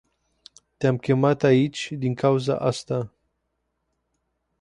Te-am chemat aici din cauza asta.